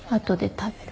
食べる。